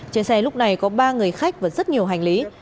trên xe lúc này có ba người khách và rất nhiều hành lý